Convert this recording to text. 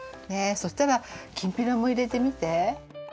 そしたらきんぴらも入れてみて。